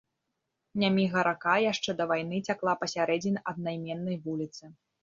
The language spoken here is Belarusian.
Няміга-рака яшчэ да вайны цякла пасярэдзіне аднайменнай вуліцы.